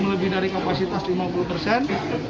lebih dari kapasitas lima puluh persen